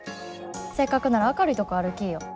せっかくなら明るいとこ歩きいよ。